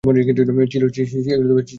ছিল ঐ শচীশ।